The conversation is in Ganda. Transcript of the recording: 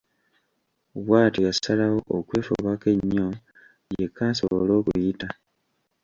Bw’atyo yasalawo okwefubako ennyo yekka asobole okuyita.